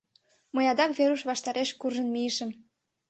Мый адак Веруш ваштареш куржын мийышым.